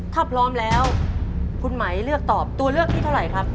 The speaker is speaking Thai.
ถ้าพร้อมแล้วคุณไหมเลือกตอบตัวเลือกที่เท่าไหร่ครับ